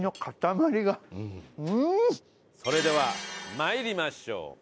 それでは参りましょう。